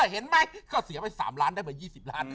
เห็นไหมก็เสียไป๓ล้านได้มา๒๐ล้าน